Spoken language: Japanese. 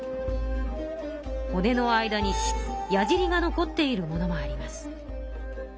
骨の間に矢じりが残っているものもあります。